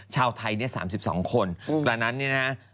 ชาวไทยเนี่ย๓๒คนกระนั้นเนี่ยนะฮะ